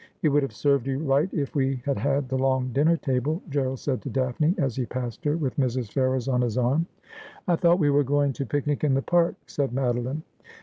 ' It would have served you right if we had had the long dinner table,' Gerald said to Daphne, as he passed her with Mrs. Ferrers on his arm. ' I thought we were going to picnic in the park,' said Mado line.